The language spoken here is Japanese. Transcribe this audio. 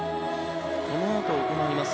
このあと行います